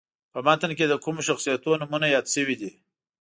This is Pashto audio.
په متن کې د کومو شخصیتونو نومونه یاد شوي دي.